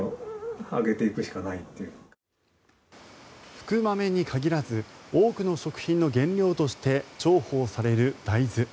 福豆に限らず多くの食品の原料として重宝される大豆。